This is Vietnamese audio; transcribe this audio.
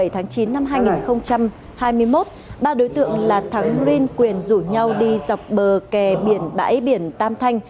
một mươi bảy tháng chín năm hai nghìn hai mươi một ba đối tượng là thắng rin quyền rủ nhau đi dọc bờ kè bãi biển tam thanh